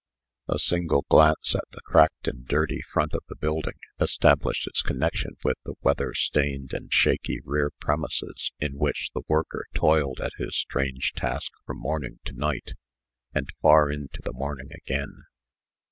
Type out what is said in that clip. A single glance at the cracked and dirty front of the building established its connection with the weather stained and shaky rear premises in which the worker toiled at his strange task from morning to night, and far into the morning again.